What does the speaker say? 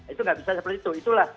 itu tidak bisa seperti itu